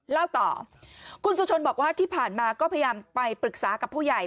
เล่าต่อคุณสุชนบอกว่าที่ผ่านมาก็พยายามไปปรึกษากับผู้ใหญ่